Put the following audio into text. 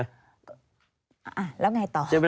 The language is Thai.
อ่าแล้วไงต่อ